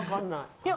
いや。